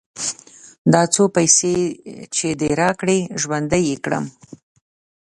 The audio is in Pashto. دا څو پيسې چې دې راکړې؛ ژوندی يې کړم.